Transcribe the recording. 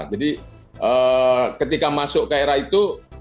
jadi ketika masuk ke era itu